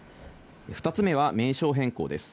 ２つ目は、名称変更です。